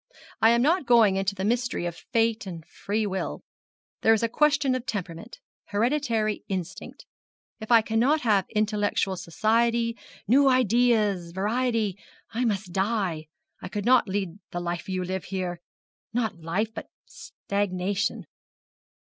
I am not going into the mystery of fate and free will. There is the question of temperament hereditary instinct. If I cannot have intellectual society new ideas variety I must die. I could not lead the life you live here not life, but stagnation.'